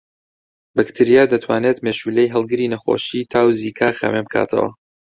بەکتریا دەتوانێت مێشولەی هەڵگری نەخۆشیی تا و زیکا خاوێن بکاتەوە